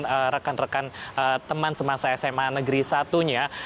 atau bertemu dengan rekan rekan teman semasa sma negeri satunya